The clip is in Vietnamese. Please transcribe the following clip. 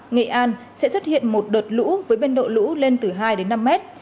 nghệ an sẽ xuất hiện một đợt lũ với biên độ lũ lên từ hai đến năm mét